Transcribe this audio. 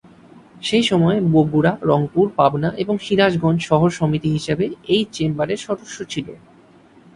সেই সময়ে বগুড়া, রংপুর, পাবনা এবং সিরাজগঞ্জ শহর সমিতি হিসাবে এই চেম্বার এর সদস্য ছিল।